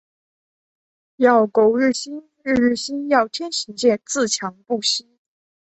要苟日新，日日新。要天行健，自强不息。